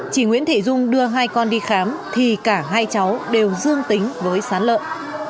chị nguyễn thị dung đưa hai con đi khám thì cả hai cháu đều dương tính với sán lợn